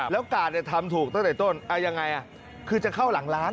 แล้วกาดทำถูกตั้งแต่ต้นเอายังไงคือจะเข้าหลังร้าน